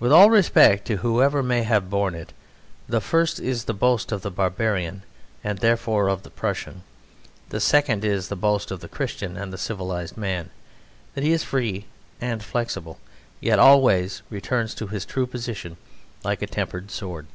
With all respect to whoever may have borne it, the first is the boast of the barbarian and therefore of the Prussian; the second is the boast of the Christian and the civilised man that he is free and flexible, yet always returns to his true position, like a tempered sword.